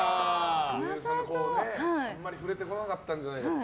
あんまり触れてこなかったんじゃないかと。